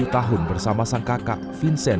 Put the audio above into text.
sepuluh tahun bersama sang kakak vincent